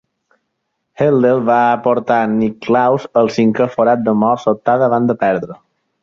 Elder va portar Nicklaus al cinquè forat de mort sobtada abans de perdre.